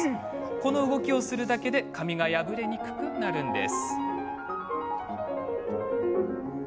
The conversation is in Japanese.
この動きをするだけで紙が破れにくくなるんです。